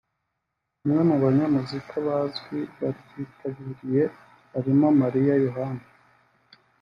Bamwe mu banyamuziki bazwi baryitabiriye harimo Mariya Yohana